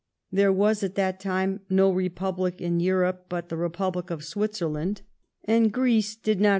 There was at that time no re public in Europe but the Republic of Switzerland, and Greece did c;ioK..